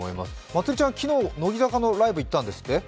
まつりちゃん、昨日、乃木坂のライブ、行ったんですって？